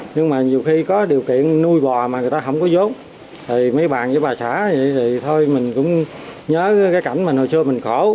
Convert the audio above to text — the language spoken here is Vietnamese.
nhưng mà nhiều khi có điều kiện nuôi bò mà người ta không có giống thì mấy bạn với bà xã thì thôi mình cũng nhớ cái cảnh mình hồi xưa mình khổ